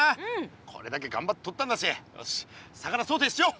これだけがんばってとったんだしよし魚ソテーしよう！